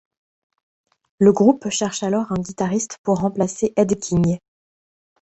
Le groupe cherche alors un guitariste pour remplacer Ed King.